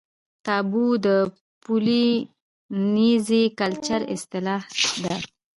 تابو د پولي نیزي کلچر اصطلاح ده.